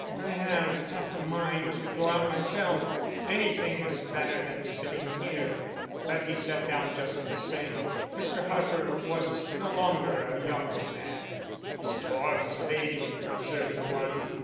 "I have half a mind to go out myself; anything is better than sitting here." But he sat down just the same. Mr. Harper was no longer a young man. "The storm's bating," observed the one.